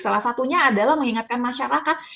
salah satunya adalah mengingatkan masyarakat